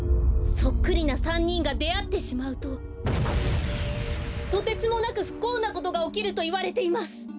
そっくりな３にんがであってしまうととてつもなくふこうなことがおきるといわれています。